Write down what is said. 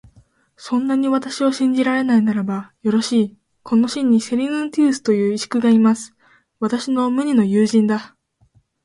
そんなに私を信じられないならば、よろしい、この市にセリヌンティウスという石工がいます。私の無二の友人だ。